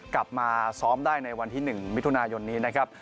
กลับมาซ้อมได้ในวันที่๑มิถุนายนนี้นะครับ